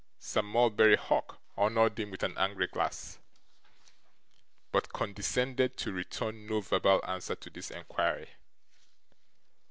Sir Mulberry Hawk honoured him with an angry glance, but condescended to return no verbal answer to this inquiry.